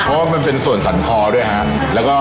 เพราะว่ามันเป็นส่วนสันคอด้วยฮะ